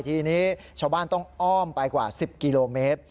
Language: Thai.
ทีนี้ชาวบ้านต้องอ้อมไปกว่า๑๐กิโลเมตร